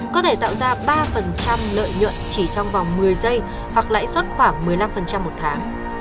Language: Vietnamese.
có thể tạo ra ba lợi nhuận chỉ trong vòng một mươi giây hoặc lãi suất khoảng một mươi năm một tháng